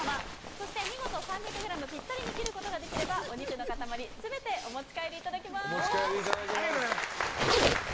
そして見事３００ｇにぴったり切ることができればお肉の塊全てお持ち帰りいただきます。